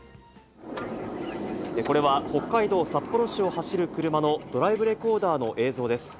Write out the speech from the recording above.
これは、北海道札幌市を走る車のドライブレコーダーの映像です。